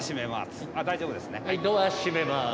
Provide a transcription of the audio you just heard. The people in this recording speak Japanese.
ドア閉めます。